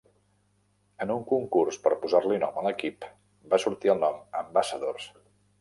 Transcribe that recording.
En un concurs per posar-li nom a l'equip va sortir el nom Ambassadors.